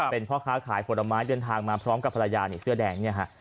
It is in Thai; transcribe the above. เป็นพ่อค้าขายผลไม้เดินทางมาพร้อมกับภรรยานี่เสื้อแดงเนี่ยฮะ